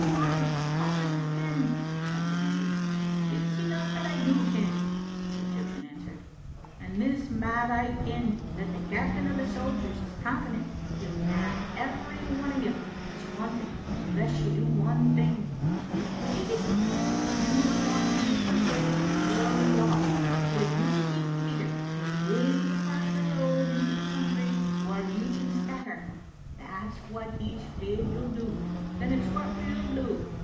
"Ay, how can you ken?" some demanded. " It's enough that I do ken," the Egyptian answered. " And this mair I ken, that the captain of the soldiers is confident he'll nab every one o' you that's wanted un less you do one thing." "What is 't?" " If you a' run different ways you're lost, but if you keep tiiegither you'll be able to force a road into th« Digitized by VjOOQ IC B TmarUftc Cbapter. 49 country, whattr you can scatter. That's what he's fleid you'll do." "Then it's what we will do."